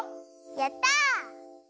やった！